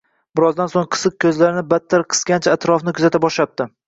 Birozdan so‘ng qisiq ko‘zlarini battar qisgancha atrofni kuzata boshlabdi